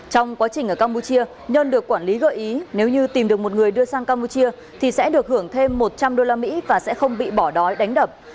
trong quá trình ở campuchia nhân được quản lý gợi ý nếu như tìm được một người đưa sang campuchia thì sẽ được hưởng thêm một trăm linh usd và sẽ không bị bỏ đói đánh đập